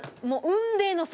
雲泥の差。